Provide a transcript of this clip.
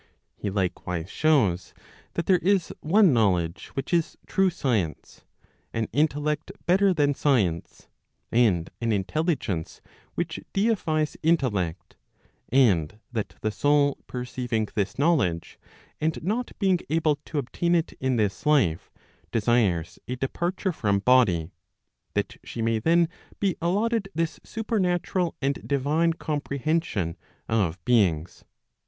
He likewise shows that there is one knowledge which is true science, an intellect better than science, and an intelligence which deifies intellect; and that the soul perceiving this knowledge, and not being able to obtain it in this life, desires a departure from body, that she may then be allotted this supernatural and divine comprehension of beings.